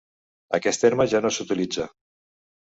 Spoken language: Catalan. Aquest terme ja no s'utilitza.